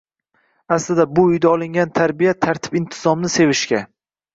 Aslida bu uyda olingan tarbiya tartib-intizomni sevishga